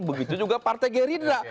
begitu juga partai gerindra